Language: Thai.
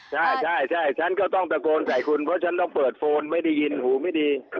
ใช่ใช่ฉันก็ต้องตะโกนใส่คุณเพราะฉันต้องเปิดโฟนไม่ได้ยินหูไม่ดี